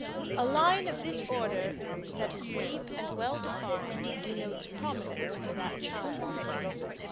A line of this order that is deep and well defined denotes prominence for that child.